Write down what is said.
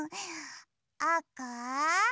あか？